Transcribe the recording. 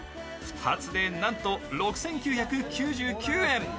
２つでなんと６９９９円。